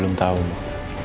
udah tanya banyak